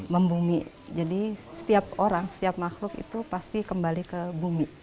membumi jadi setiap orang setiap makhluk itu pasti kembali ke bumi